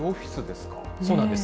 そうなんです。